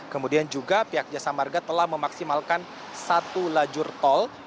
kemudian juga pihak jasa marga telah memaksimalkan satu lajur tol